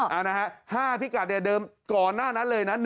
เอานะฮะ๕พิกัดเนี่ยเดิมก่อนหน้านั้นเลยนะ